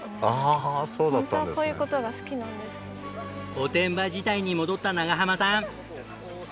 おてんば時代に戻った長濱さん。